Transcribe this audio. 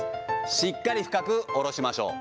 しっかり深く下ろしましょう。